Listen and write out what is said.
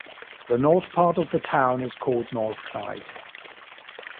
The north part of the town is called North Clyde.